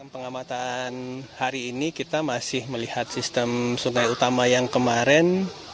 pengamatan hari ini kita masih melihat sistem sungai utama yang kemarin